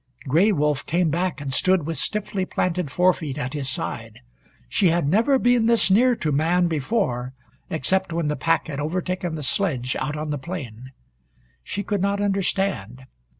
Gray Wolf came back, and stood with stiffly planted forefeet at his side. She had never been this near to man before, except when the pack had overtaken the sledge out on the plain. She could not understand.